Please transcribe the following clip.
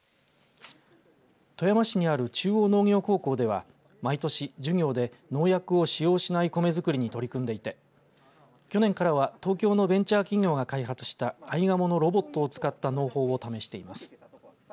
富山市にある中央農業高校では毎年授業で農薬を使用しない米作りに取り組んでいて去年からは東京のベンチャー企業が開発したあいがものロボットを使った農法を試しています。